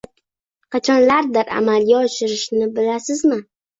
Qachonlardir amalga oshirishni bilasizmi?